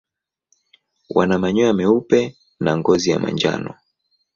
Wana manyoya meupe na ngozi ya manjano.